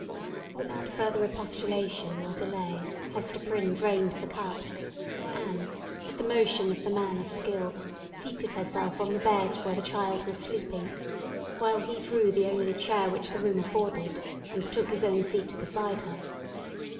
Without further expostulation or delay, Hester Prynne drained the cup, and, at the motion of the man of skill, seated herself on the bed, where the child was sleeping; while he drew the only chair which the room afforded, and took his own seat beside her.